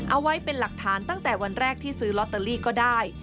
เอาไว้เป็นหลักฐานตั้งแต่วันแรกที่ซื้อลอตเตอรี่ก็ได้